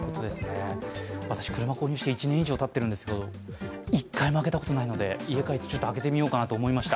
私、車購入して１年以上たってるんですけれども１回も開けたことがないので家に帰って開けてみようと思いました。